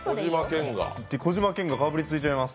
小島健が、かぶりついちゃいます。